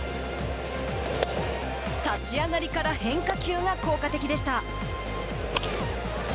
立ち上がりから変化球が効果的でした。